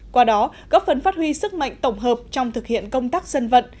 qua đó góp phần phát huy sức mạnh tổng hợp trong thực hiện công tác dân vận